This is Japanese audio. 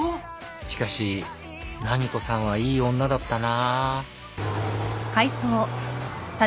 しかし波子さんはいい女だったな。